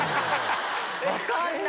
分かんない。